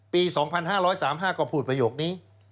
ปี๒๕๓๕ก็พูดประโยคนี้